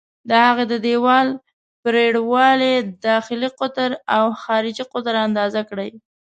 د هغه د دیوال پرېړوالی، داخلي قطر او خارجي قطر اندازه کړئ.